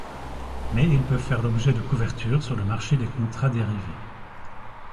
Mais ils peuvent faire l'objet de couverture sur le marché des contrats dérivés.